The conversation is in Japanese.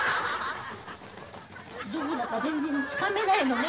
どこだか全然つかめないのね。